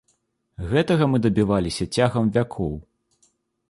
Гэтага мы дабіваліся цягам вякоў.